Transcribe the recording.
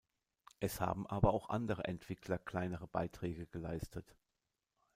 Es haben aber auch andere Entwickler kleinere Beiträge geleistet.